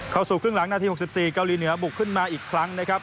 เข้าสู่ครึ่งหลังนาที๖๔เกาหลีเหนือบุกขึ้นมาอีกครั้งนะครับ